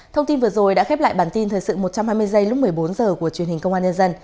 thông tin vừa rồi đã khép lại bản tin thời sự một trăm hai mươi giây lúc một mươi bốn h của truyền hình công an nhân dân